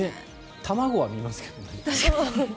卵は見ますけどね。